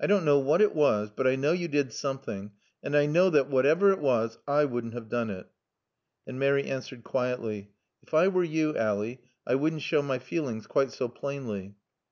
"I don't know what it was. But I know you did something and I know that whatever it was I wouldn't have done it." And Mary answered quietly. "If I were you, Ally, I wouldn't show my feelings quite so plainly."